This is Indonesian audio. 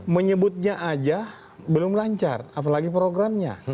menyebutnya aja belum lancar apalagi programnya